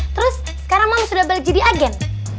terus sekarang moms udah balik jadi agen